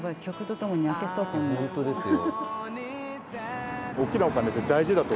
本当ですよ。